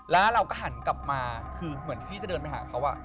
แล้วเราก็หันกลับมาคือเหมือนซี่จะเดินไปหาเขา